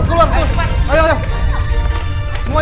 kiki dia ke bawah